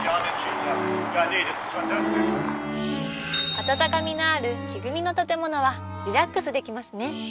温かみのある木組みの建物はリラックスできますね。